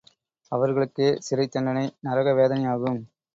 அவர்களுக்கே சிறைத் தண்டனை நரக வேதனையாகும்.